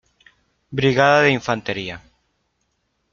Brigada de Infantería.